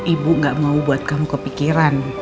ibu gak mau buat kamu kepikiran